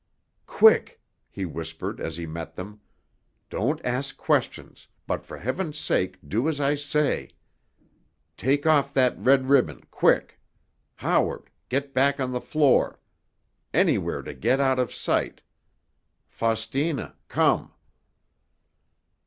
"Quick!" he whispered as he met them. "Don't ask questions, but, for Heaven's sake, do as I say! Take off that red ribbon—quick! Howard! Get back on the floor—anywhere to get out of sight. Faustina—come!"